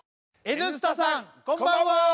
「Ｎスタ」さん、こんばんは！